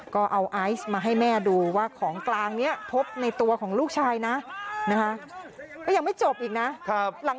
ก็เอาไอซ์มาให้แม่ดูว่าของกลางนี้พบในตัวของลูกชายนะนะคะก็ยังไม่จบอีกนะ